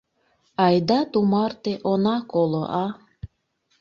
Айда тумарте она коло, а?